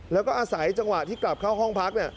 แล้วก็อาศัยจังหวะที่กลับเข้าห้องพักเนี่ย